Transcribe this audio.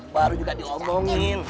baru juga diomlongin